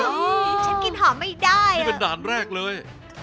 ฉันกินหอมไม่ได้อ่ะเป็นดั่งแรกเลย